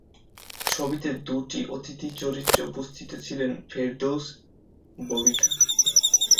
ছবিতে দুটি অতিথি চরিত্রে উপস্থিত ছিলেন ফেরদৌস, ববিতা।